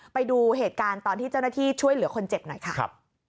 ไปดูเหตุการณ์ตอนที่เจ้าหน้าที่ช่วยเหลือคนเจ็บหน่อยค่ะ